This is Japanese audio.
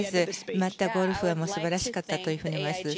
またゴルファーも素晴らしかったと思います。